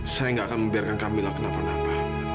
saya gak akan membiarkan kak mila kenapa napa